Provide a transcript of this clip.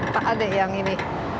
pak ade yang ini